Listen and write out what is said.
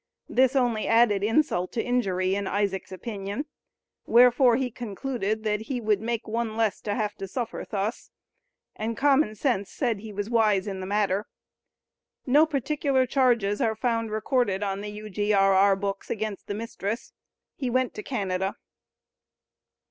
This only added "insult to injury," in Isaac's opinion; wherefore he concluded that he would make one less to have to suffer thus, and common sense said he was wise in the matter. No particular charges are found recorded on the U.G.R.R. books against the mistress. He went to Canada.